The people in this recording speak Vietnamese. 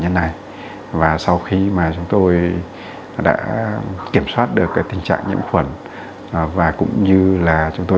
nhân này và sau khi mà chúng tôi đã kiểm soát được tình trạng nhiễm khuẩn và cũng như là chúng tôi